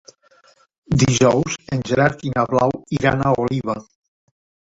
Dijous en Gerard i na Blau iran a Oliva.